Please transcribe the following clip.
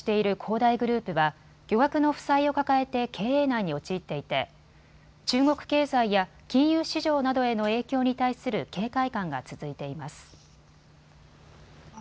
大グループは巨額の負債を抱えて経営難に陥っていて中国経済や金融市場などへの影響に対する警戒感が続いています。